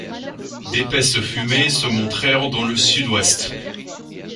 d’épaisses fumées se montrèrent dans le sud-ouest.